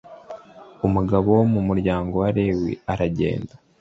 Umugabo wo mu muryango wa Lewi aragenda